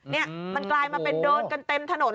นี่มันกลายมาเป็นเดินกันเต็มถนน